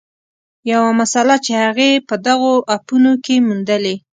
یوه مسله چې هغې په دغو اپونو کې موندلې